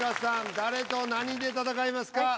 誰と何で戦いますか？